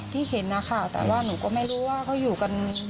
ที่เห็นนะคะแต่ว่าหนูก็ไม่รู้ว่าเขาอยู่กัน